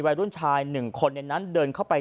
วัยรุ่นชาย๑คนในนั้นเดินเข้าไป